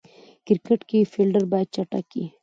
کرکټ کښي فېلډر باید چټک يي.